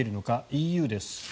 ＥＵです。